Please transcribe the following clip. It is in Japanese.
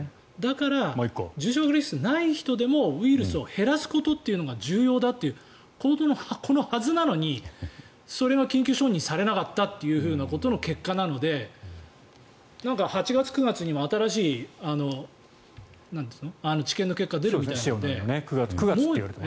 だから重症化リスクのない人でもウイルスを減らすことが重要だというはずなのにそれが緊急承認されなかったという結果なので、なんか８月９月にも新しい治験の結果が出るみたいじゃないですか。